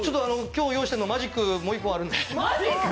今日用意してるの、マジックもう一本あるので。